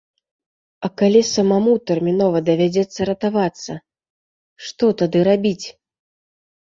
А калі самому тэрмінова давядзецца ратавацца, што тады рабіць?